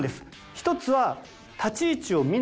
１つは。